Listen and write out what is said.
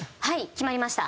決まりました。